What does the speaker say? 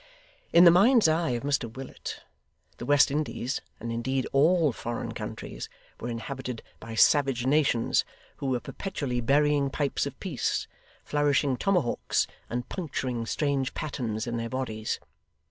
In the mind's eye of Mr Willet, the West Indies, and indeed all foreign countries, were inhabited by savage nations, who were perpetually burying pipes of peace, flourishing tomahawks, and puncturing strange patterns in their bodies.